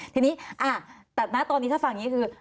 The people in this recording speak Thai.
ทีนี้แต่ณตอนนี้ถ้าฟังอย่างนี้คือ